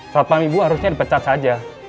satpam ibu harusnya dipecat saja